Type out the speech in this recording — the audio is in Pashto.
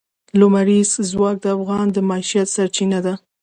لمریز ځواک د افغانانو د معیشت سرچینه ده.